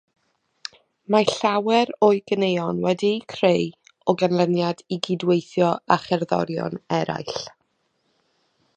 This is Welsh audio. Mae llawer o'i ganeuon wedi'u creu o ganlyniad i gydweithio â cherddorion eraill.